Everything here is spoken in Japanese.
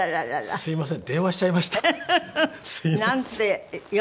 すみません。